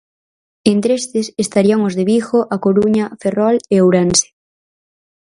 Entre estes estarían os de Vigo, A Coruña, Ferrol e Ourense.